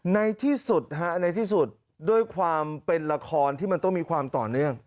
ในที่สุดฮะในที่สุดด้วยความเป็นละครที่มันต้องมีความต่อเนื่อง